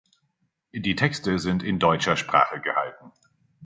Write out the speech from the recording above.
Die Texte sind in deutscher Sprache gehalten.